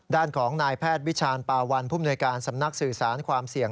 ด้านของนายแพทย์วิชาณปาวันผู้มนวยการสำนักสื่อสารความเสี่ยง